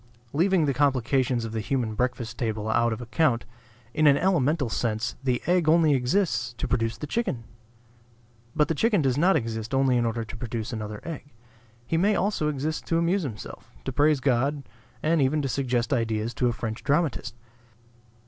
Leaving the complications of the human breakfast table out of account, in an elemental sense, the egg only exists to produce the chicken. But the chicken does not exist only in order to produce another egg. He may also exist to amuse himself, to praise God, and even to suggest ideas to a French dramatist.